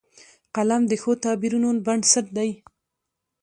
قلم د ښو تعبیرونو بنسټ دی